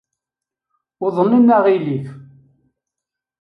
Uḍnen aɣilif.